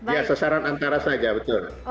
ya sasaran antara saja betul